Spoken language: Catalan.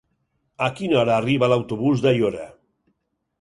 A quina hora arriba l'autobús d'Aiora?